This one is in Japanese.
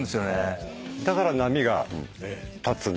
だから波が立つんで。